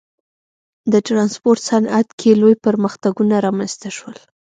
د ټرانسپورت صنعت کې لوی پرمختګونه رامنځته شول.